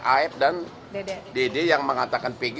af dan dd yang mengatakan peggy